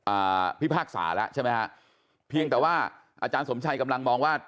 อ่าพิพากษาแล้วใช่ไหมฮะเพียงแต่ว่าอาจารย์สมชัยกำลังมองว่า